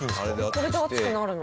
これで熱くなるの？